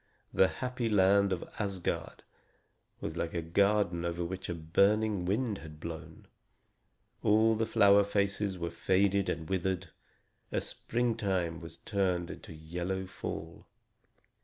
The happy land of Asgard was like a garden over which a burning wind had blown, all the flower faces were faded and withered, and springtime was turned into yellow fall.